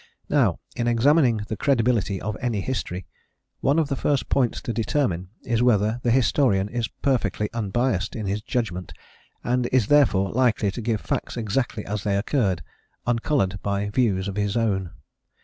Now, in examining the credibility of any history, one of the first points to determine is whether the historian is perfectly unbiassed in his judgment and is therefore likely give facts exactly as they occurred, un coloured by views of his own.